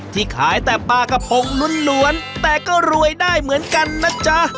ที่ขายแต่ปลากระพงล้วนแต่ก็รวยได้เหมือนกันนะจ๊ะ